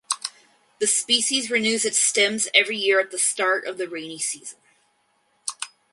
The species renews its stems every year at the start of the rainy season.